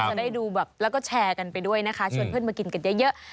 จะได้ดูแบบแล้วก็แชร์กันไปด้วยนะคะชวนเพื่อนมากินกันเยอะ